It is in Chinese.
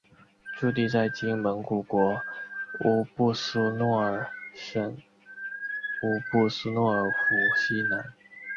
驻地在今蒙古国乌布苏诺尔省乌布苏诺尔湖西南。